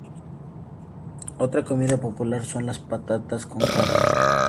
Otra comida popular son las patatas con carne.